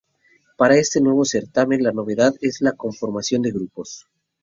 Para este nuevo certamen la novedad es la conformación de grupos.